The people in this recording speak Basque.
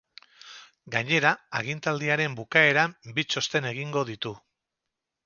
Gainera, agintaldiaren bukaeran bi txosten egingo ditu.